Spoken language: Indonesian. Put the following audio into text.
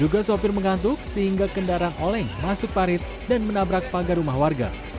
juga sopir mengantuk sehingga kendaraan oleng masuk parit dan menabrak pagar rumah warga